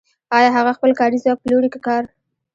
آیا هغه خپل کاري ځواک پلوري که کار